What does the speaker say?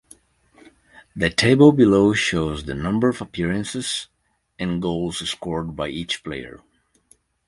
The table below shows the number of appearances and goals scored by each player.